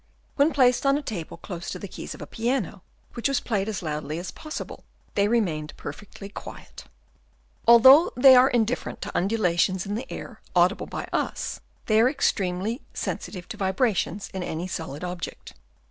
When placed on a table close to the keys of a piano, which was played as loudly as possible, they remained perfectly quiet. Although they are indifferent to undula tions in the air audible by us, they are Chap. I. THEIR SENSES. 27 extremely sensitive to vibrations in any solid object.